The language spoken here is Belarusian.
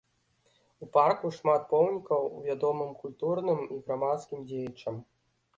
У парку шмат помнікаў вядомым культурным і грамадскім дзеячам.